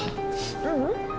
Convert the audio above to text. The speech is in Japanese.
ううん。